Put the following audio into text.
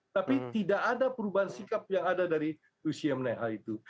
tapi tidak ada perubahan sikap yang ada dari rusia menaik hal itu